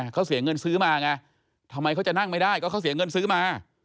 เขาเสียเงินซื้อมาไงทำไมเขาจะนั่งไม่ได้ก็เขาเสียเงินซื้อมา